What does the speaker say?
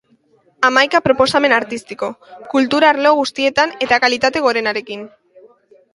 Hamaika proposamen artistiko, kultur arlo guztietan eta kalitate gorenarekin.